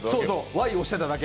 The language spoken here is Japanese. Ｙ押してただけ。